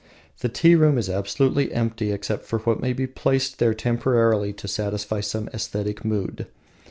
The tea room is absolutely empty, except for what may be placed there temporarily to satisfy some aesthetic mood.